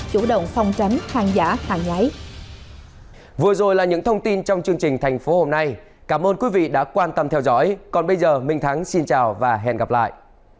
chủ động phòng tránh hàng giả hàng nháy